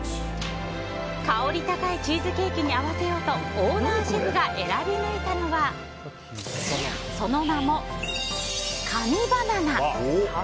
香り高いチーズケーキに合わせようとオーナーシェフが選び抜いたのはその名も、神バナナ。